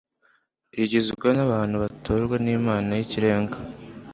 rugizwe n abantu batorwa n inama y ikirenga